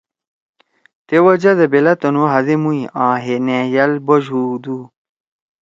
تے وجہ دے بیلأ تُنو ہادے موئی آں ہے نھأجأل بش ہودُو۔